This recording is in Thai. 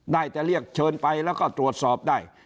ได้แต่เรียกเชิญไปแล้วก็ตรวจสอบได้